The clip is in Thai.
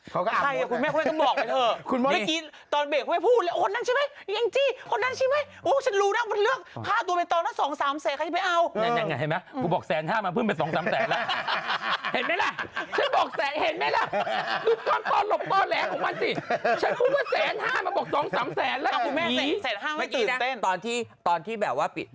กูบอกแสนห้ามาเพิ่มไปสองสามแสนแล้วเห็นไหมล่ะหลุบข้อมันตอนหลบตอนแหละของมันสิ